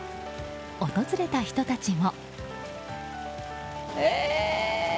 訪れた人たちも。